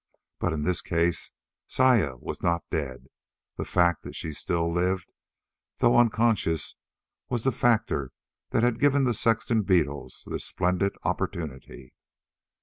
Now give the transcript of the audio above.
But in this case Saya was not dead. The fact that she still lived, though unconscious, was the factor that had given the sexton beetles this splendid opportunity.